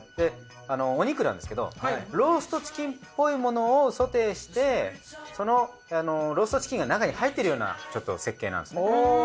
お肉なんですけどローストチキンっぽいものをソテーしてそのローストチキンが中に入ってるようなちょっと設計なんですね。